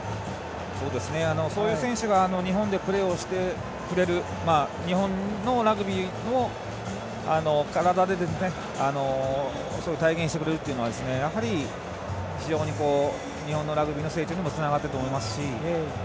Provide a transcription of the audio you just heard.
そういう選手が日本でプレーをしてくれる日本のラグビーを体で体現してくれるというのは非常に日本のラグビーの成長にもつながっていると思いますし。